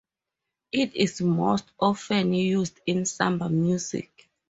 It is most often used in samba music.